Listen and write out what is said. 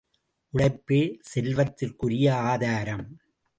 உழைப்பே செல்வத்திற்குரிய ஆதாரம்!